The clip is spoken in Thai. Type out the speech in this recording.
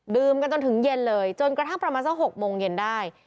กันจนถึงเย็นเลยจนกระทั่งประมาณสัก๖โมงเย็นได้